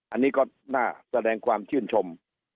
อันนี้ก็น่าแสดงความชื่นชม